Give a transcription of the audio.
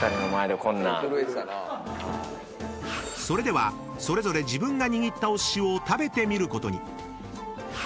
［それではそれぞれ自分が握ったお寿司を食べてみることに］